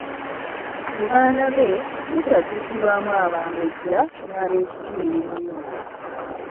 Mu baana be mukyajjukirwamu Abambejja ab'ekitiibwa ennyo.